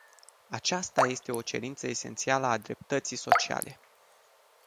Aceasta este o cerință esențială a dreptății sociale.